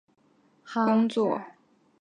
在伟大卫国战争期间该馆仍全力工作。